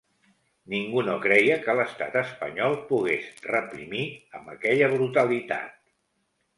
Ningú no creia que l’estat espanyol pogués reprimir amb aquella brutalitat.